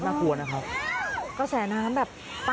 เฮ้ยเฮ้ยเฮ้ย